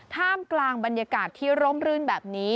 ท่ามกลางบรรยากาศที่ร่มรื่นแบบนี้